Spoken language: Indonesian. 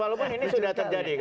walaupun ini sudah terjadi